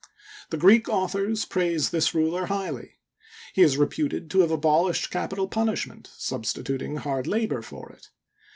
The Greek authors praise this ruler highly. He is reputed to have abolished capital punishment, substituting hard labor for it.